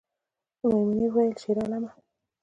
میمونۍ ویلې شیرعالمه